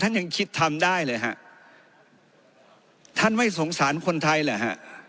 ยังคิดทำได้เลยฮะท่านไม่สงสารคนไทยเหรอฮะ